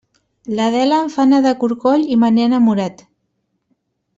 L'Adela em fa anar de corcoll i me n'he enamorat.